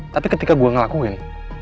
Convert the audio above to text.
tapi ketika gue ngelakuin